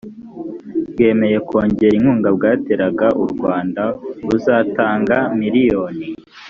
bwemeye kongera inkunga bwateraga u rwanda buzatanga miliyoni